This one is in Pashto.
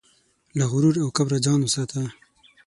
له غرور او کبره ځان وساته.